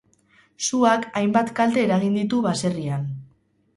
Suak hainbat kalte eragin ditu baserrian.